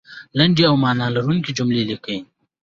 لنډې او معنا لرونکې جملې لیکئ